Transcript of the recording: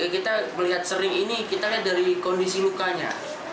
kita melihat sering ini kita lihat dari kondisi lukanya